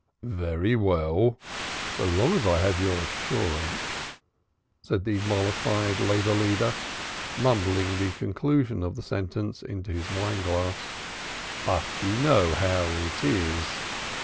"Very well, so long as I have your assurance," said the mollified labor leader, mumbling the conclusion of the sentence into his wine glass. "But you know how it is!